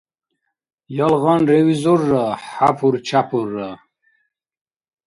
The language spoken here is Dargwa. Ялгъан ревизорра «хӏяпур-чяпурра»